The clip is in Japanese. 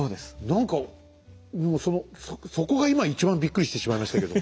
何かもうそのそこが今一番びっくりしてしまいましたけども。